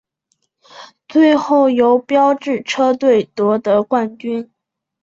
最后由标致车队夺得冠军。